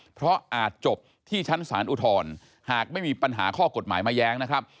เพราะอาจจบที่ชั้นศาลอุทธรณ์หากไม่มีปัญหาข้อกฎหมายมาแย้งนะครับ